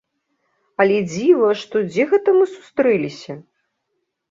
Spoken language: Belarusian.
Але дзіва, што дзе гэта мы сустрэліся?